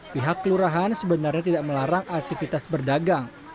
pihak kelurahan sebenarnya tidak melarang aktivitas berdagang